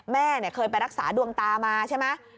แม่เคยไปรักษาดวงตามาใช่ไหม